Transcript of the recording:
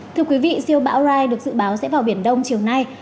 thưa quý vị siêu bão rai được dự báo sẽ vào biển đông chiều nay